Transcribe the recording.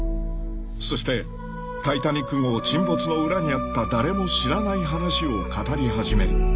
［そしてタイタニック号沈没の裏にあった誰も知らない話を語り始める］